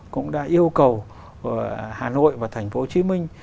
cũng đã yêu cầu hà nội và thành phố hồ chí minh